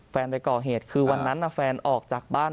ไปก่อเหตุคือวันนั้นแฟนออกจากบ้าน